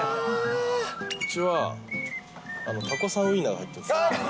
うちはたこさんウインナーが入ってるんです。